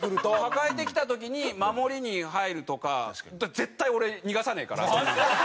抱えてきた時に守りに入るとか絶対俺逃がさねえから！